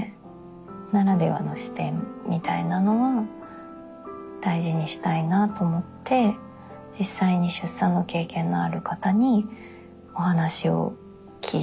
ならではの視点みたいなのは大事にしたいなと思って実際に出産の経験のある方にお話を聞いたりとか。